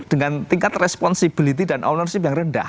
dengan tingkat responsibility dan ownership yang rendah